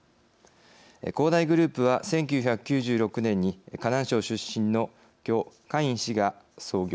恒大グループは１９９６年に河南省出身の許家印氏が創業。